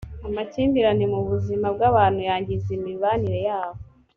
amakimbirane mu buzima bw ‘abantu yangiza imibanire yabo.